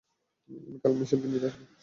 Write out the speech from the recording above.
আমি কাল মিশেলকে নিতে আসব।